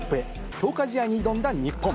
強化試合に挑んだ日本。